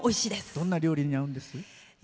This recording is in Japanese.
どんな料理に合うんです？